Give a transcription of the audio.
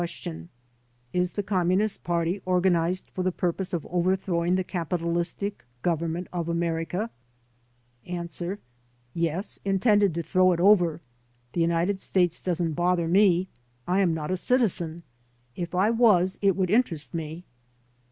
"Is the Commttnist Party organized for the purpose of overthrowing the capitalistic Government of America? A. "Yes, intended to throw it over. The United States doesn't bother me. I am not a citizen. If I was it would interest me."